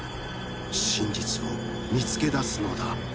真実を見つけ出すのだ。